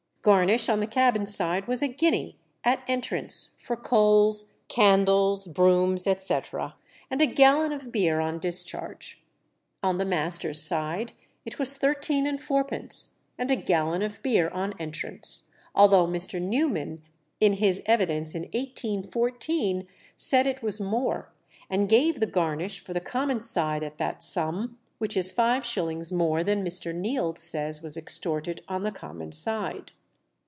Garnish on the cabin side was a guinea at entrance for coals, candles, brooms, &c., and a gallon of beer on discharge; on the master's side it was thirteen and fourpence, and a gallon of beer on entrance, although Mr. Newman, in his evidence in 1814, said it was more, and gave the garnish for the common side at that sum, which is five shillings more than Mr. Neild says was extorted on the common side.